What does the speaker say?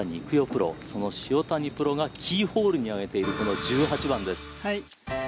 プロがキーホールに挙げているこの１８番です。